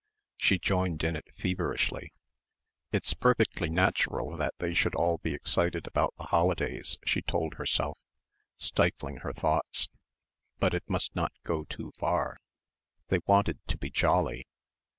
She joined in it feverishly. It's perfectly natural that they should all be excited about the holidays she told herself, stifling her thoughts. But it must not go too far. They wanted to be jolly....